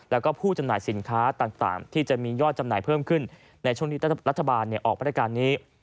แล้วก็ผู้จำหน่ายสินค้าต่างที่จะมียอดจำหน่ายเพิ่มขึ้นในช่วงที่รัฐบาลออกมาตรการนี้